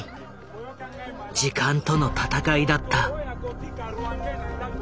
時間との闘いだった。